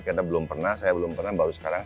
karena belum pernah saya belum pernah baru sekarang